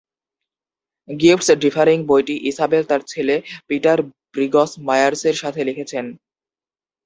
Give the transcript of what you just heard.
Gifts differing বইটি Isabel তার ছেলে পিটার ব্রিগস মায়ার্সের সাথে লিখেছেন।